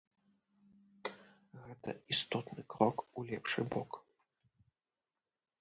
Гэта істотны крок у лепшы бок.